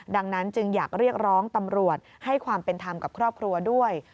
ดังนั้นจึงอยากเรียกร้องตำรวจให้ความเป็นธรรมกับครอบครัวด้วย